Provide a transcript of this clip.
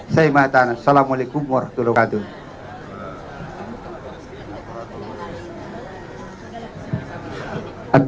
saya mahatan assalamualaikum warahmatullahi wabarakatuh